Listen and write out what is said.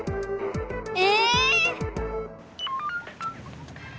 え！